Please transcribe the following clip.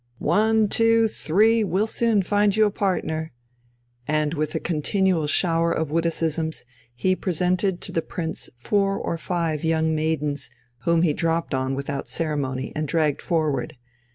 One, two, three, we'll soon find you a partner!" And with a continual shower of witticisms he presented to the Prince four or five young maidens, whom he dropped on without ceremony and dragged forward.